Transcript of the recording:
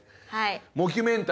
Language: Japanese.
モキュメンタリー。